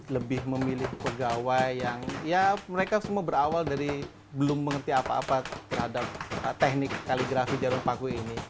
lebih memilih pegawai yang ya mereka semua berawal dari belum mengerti apa apa terhadap teknik kaligrafi jarum paku ini